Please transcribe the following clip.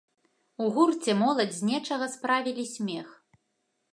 У гурце моладзь з нечага справілі смех.